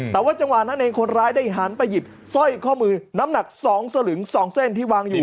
แต่ว่าจังหวะนั้นเองคนร้ายได้หันไปหยิบสร้อยข้อมือน้ำหนัก๒สลึง๒เส้นที่วางอยู่